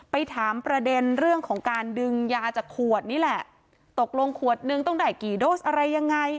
ไปถามประเด็นเรื่องของการดึงยาจากขวดนี่แหละตกลงขวดนึงต้องได้กี่โดสอะไรยังไง